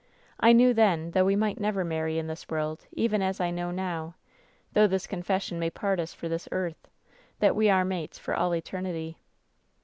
"I knew then, though we might never marry in this world, even as I know now— though this confession may part us for this earth — that we are mates for all eternity.